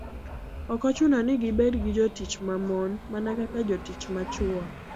Ok ochuno ni gibed gi jotich ma mon, mana kaka jotich ma chwo.